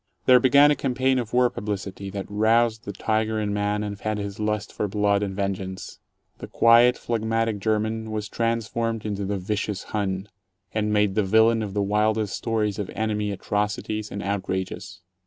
There began a campaign of war publicity that roused the tiger in man and fed his lust for blood and vengeance. The quiet, phlegmatic German was transformed into the "Vicious Hun," and made the villain of the wildest stories of "enemy" atrocities and outrages.